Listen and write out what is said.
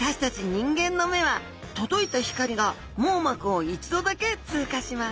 人間の目は届いた光が網膜を一度だけ通過します。